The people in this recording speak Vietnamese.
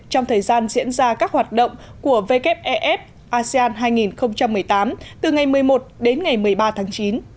trong thời gian diễn ra các hoạt động của wef asean hai nghìn một mươi tám từ ngày một mươi một đến ngày một mươi ba tháng chín